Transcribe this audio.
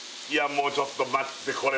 もうちょっと待ってこれ